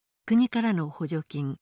国からの補助金